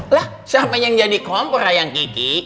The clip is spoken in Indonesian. lah siapa yang jadi kompor ayang kiki